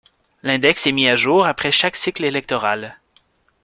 L'index est mis à jour après chaque cycle électoral.